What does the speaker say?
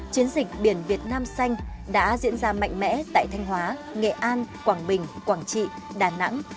chiến dịch biển việt nam xanh đã diễn ra mạnh mẽ tại thanh hóa nghệ an quảng bình quảng trị đà nẵng